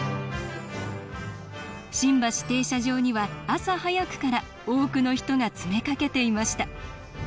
新橋停車場には朝早くから多くの人が詰めかけていました。